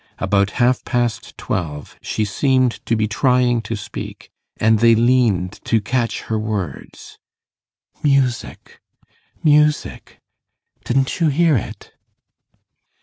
About half past twelve she seemed to be trying to speak, and they leaned to catch her words. 'Music music didn't you hear it?